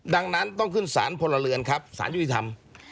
ดังนั้นต้องขึ้นสารพลเรือนครับสารยุติธรรม